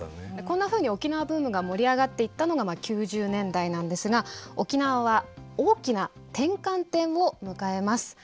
こんなふうに沖縄ブームが盛り上がっていったのが９０年代なんですが沖縄は大きな転換点を迎えます。